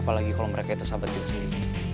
apalagi kalo mereka itu sahabat diri sendiri